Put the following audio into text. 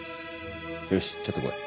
よしちょっと来い。